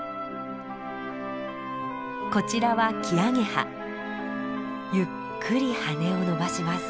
こちらはゆっくり羽を伸ばします。